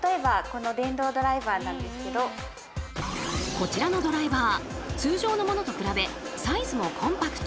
こちらのドライバー通常のものと比べサイズもコンパクト。